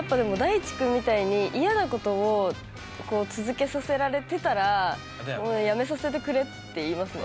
いちくんみたいに嫌なことをこう続けさせられてたらもうやめさせてくれって言いますね。